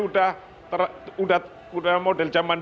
udah model zaman